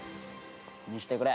見せてくれ。